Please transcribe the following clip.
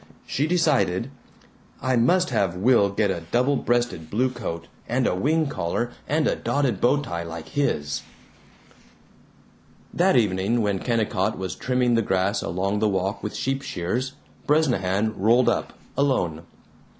She decided, "I must have Will get a double breasted blue coat and a wing collar and a dotted bow tie like his." That evening, when Kennicott was trimming the grass along the walk with sheep shears, Bresnahan rolled up, alone.